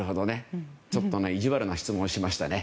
ちょっと意地悪な質問をしましたね。